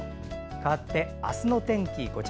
かわって、あすの天気。